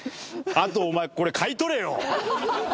あとお前これ買い取れよ！